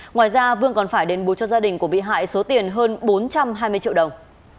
ngoài ra vương còn phải đền bù cho gia đình của bị hại số tiền hơn bốn trăm hai mươi triệu đồng